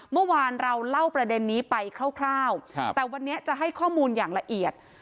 เมื่อวานเราเล่าประเด็นนี้ไปคร่าวแต่วันนี้จะให้ข้อมูลอย่างละเอียด